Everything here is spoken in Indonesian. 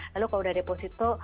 lalu kalau udah deposito